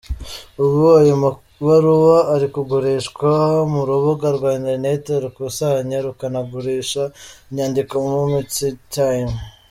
Ubu ayo mabaruhwa ari kugurishwa ku rubuga rwa internet rukusanya rukanagurisha inyandiko "momentsintime.